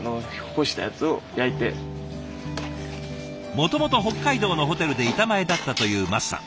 もともと北海道のホテルで板前だったという舛さん。